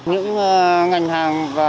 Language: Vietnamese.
những ngành hàng và